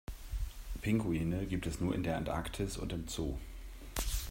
Pinguine gibt es nur in der Antarktis und im Zoo.